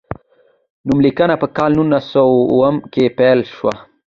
نوم لیکنه په کال نولس سوه اووم کې پیل شوه.